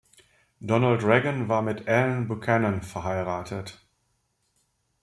Donald Regan war mit Ann Buchanan verheiratet.